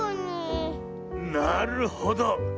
なるほど。